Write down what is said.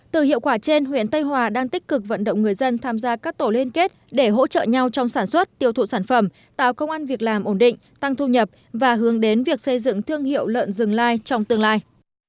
từ hiệu quả trên huyện tây hòa đang tích cực vận động người dân tham gia các tổ liên kết để hỗ trợ nhau trong sản xuất tiêu thụ sản phẩm tạo công an việc làm ổn định tăng thu nhập và hướng đến việc xây dựng thương hiệu lợn rừng lai trong tương lai